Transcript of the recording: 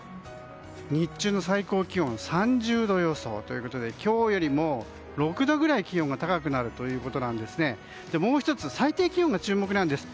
日中の最高気温３０度予想ということで今日よりも６度くらい気温が高くなるということでもう１つ、最低気温が注目なんです。